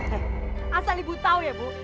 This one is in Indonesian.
eh asal ibu tahu ya bu